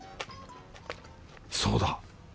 そうだ！